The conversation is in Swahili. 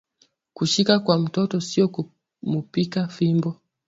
Kushikia kwa mtoto sio kumupika fimbo